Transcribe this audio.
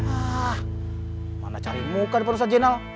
ah mana cari muka di perusahaan jenal